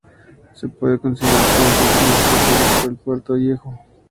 Se puede considerar como centro indiscutible del Puerto Viejo.